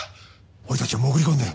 俺たちは潜り込んでる。